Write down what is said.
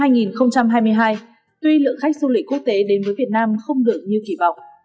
năm hai nghìn hai mươi hai tuy lượng khách du lịch quốc tế đến với việt nam không được như kỳ vọng